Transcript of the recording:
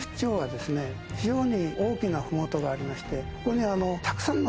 非常に大きな麓がありまして。